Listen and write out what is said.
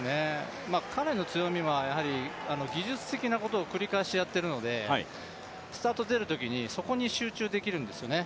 彼の強みは、技術的なことを繰り返しやっているのでスタート出るときにそこに集中できるんですよね。